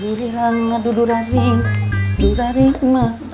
durirangadu duraring duraring ma anjidurirang